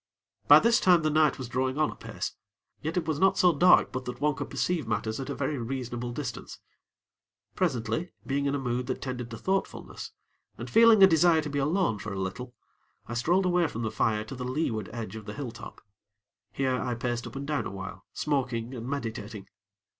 By this time the night was drawing on apace; yet it was not so dark but that one could perceive matters at a very reasonable distance. Presently, being in a mood that tended to thoughtfulness, and feeling a desire to be alone for a little, I strolled away from the fire to the leeward edge of the hilltop. Here, I paced up and down awhile, smoking and meditating.